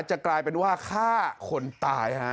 จะกลายเป็นว่าฆ่าคนตายฮะ